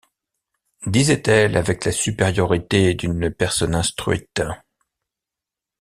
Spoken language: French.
disait-elle avec la supériorité d’une personne instruite.